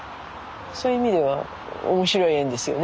そういう意味では面白い縁ですよね。